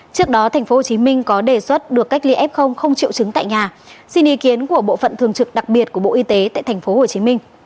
trước đó tp hcm có đề xuất được cách ly f không triệu chứng tại nhà xin ý kiến của bộ phận thường trực đặc biệt của bộ y tế tại tp hcm